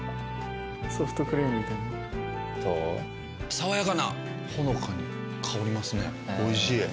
爽やかなほのかに香りますねおいしい。